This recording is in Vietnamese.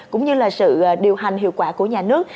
cũng như là sự điều hành hiệu quả của nhà nước